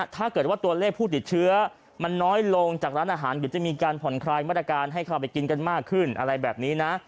ถ้าเกิดว่าตัวเลขผู้ติดเชื้อมันน้อยลงจากร้านอาหารเดี๋ยวจะมีการผ่อนคลายมาตรการให้เข้าไปกินกันมากขึ้นอะไรแบบนี้นะ